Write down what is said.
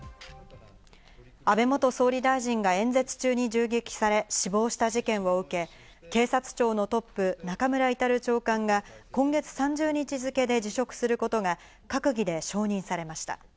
安倍元総理大臣が演説中に銃撃され死亡した事件を受け、警察庁のトップ・中村格長官が、今月３０日付で辞職することが閣議で承認されました。